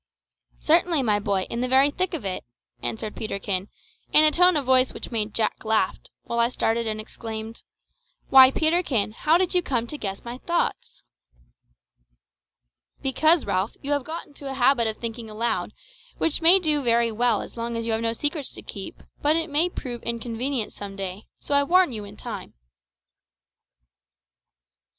"Certainly, my boy, in the very thick of it," answered Peterkin, in a tone of voice which made Jack laugh, while I started and exclaimed "Why, Peterkin, how did you come to guess my thoughts?" "Because, Ralph, you have got into a habit of thinking aloud, which may do very well as long as you have no secrets to keep but it may prove inconvenient some day, so I warn you in time."